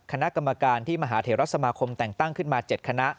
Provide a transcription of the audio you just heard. คณะกรรมการที่มหาเทราสมาคมแต่งตั้งขึ้นมา๗คณะ